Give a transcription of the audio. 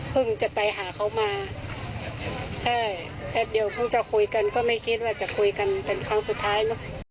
จะไปหาเขามาใช่แป๊บเดียวเพิ่งจะคุยกันก็ไม่คิดว่าจะคุยกันเป็นครั้งสุดท้ายลูก